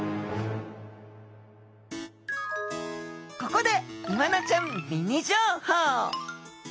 ここでイワナちゃんミニ情報！